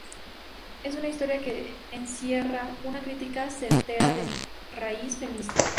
Es una historia que encierra una crítica certera de raíz feminista.